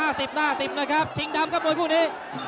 ตอนนี้มันถึง๓